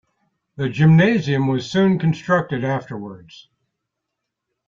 The gymnasium was soon constructed afterwards.